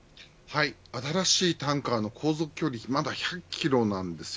新しいタンカーの航続距離はまだ１００キロなんです。